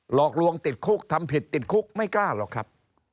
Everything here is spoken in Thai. หลอกลวงติดคุกทำผิดติดคุกไม่กล้าหรอกครับ